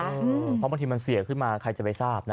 เพราะบางทีมันเสียขึ้นมาใครจะไปทราบนะ